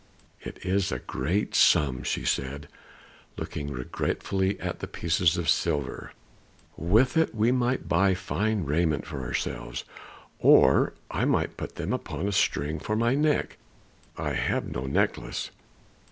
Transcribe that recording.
"It is a great sum," she said, looking regretfully at the pieces of silver. "With it we might buy fine raiment for ourselves; or I might put them upon a string for my neck, I have no necklace."